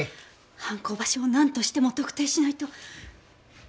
犯行場所をなんとしても特定しないと。